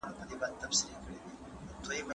د ټولنيزو بنسټونو ترمنځ اړيکي ټينګېږي.